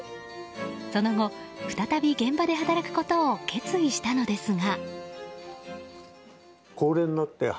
その後、再び現場で働くことを決意したのですが。